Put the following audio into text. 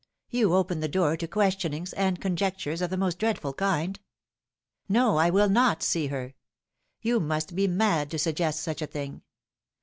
You open the door to questionings and conjectures of the most dreadful kind. No, I will not see her. You must be mad to suggest such a thing.